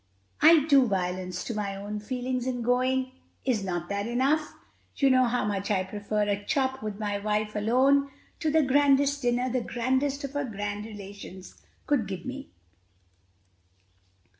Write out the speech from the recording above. I do violence to my own feelings in going: is not that enough? You know how much I prefer a chop with my wife alone to the grandest dinner the grandest of her grand relations could give me."